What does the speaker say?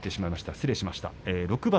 失礼しました。